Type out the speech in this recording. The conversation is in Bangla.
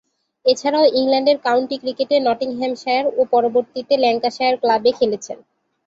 এছাড়াও ইংল্যান্ডের কাউন্টি ক্রিকেটে নটিংহ্যামশায়ার ও পরবর্তীতে ল্যাঙ্কাশায়ার ক্লাবে খেলেছেন।